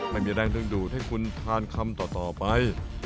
ไม่มีแรงดึงดูดให้คุณทานคำต่อไป